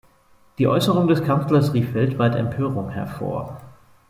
Die Äußerung des Kanzlers rief weltweit Empörung hervor.